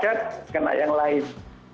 kerasnya kena yang lain